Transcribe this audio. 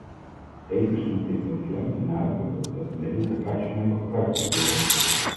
Tevens moet ik met klem benadrukken dat de middelen rationeel gebruikt moeten worden.